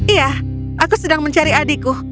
iya aku sedang mencari adikku